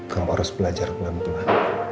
kamu harus belajar pelan pelan